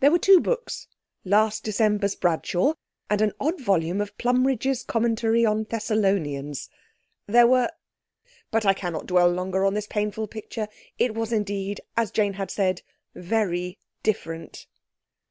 There were two books—last December's Bradshaw, and an odd volume of Plumridge's Commentary on Thessalonians. There were—but I cannot dwell longer on this painful picture. It was indeed, as Jane said, very different.